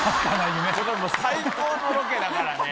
最高のロケだからね。